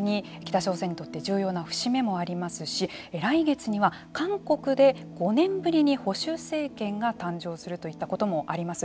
さらに重要な節目もありますし来月には韓国で５年ぶりに保守政権が誕生するといったこともあります。